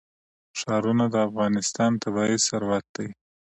ښارونه د افغانستان طبعي ثروت دی.